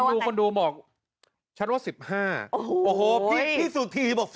ดูคนดูบอกฉันว่า๑๕โอ้โหพี่สุธีบอก